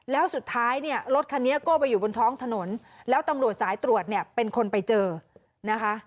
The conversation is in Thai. แล้วสุดท้ายเนี่ยรถคันนี้ก็ไปอยู่บนท้องถนนแล้วตำรวจสายตรวจเนี่ยเป็นคนไปเจอนะคะ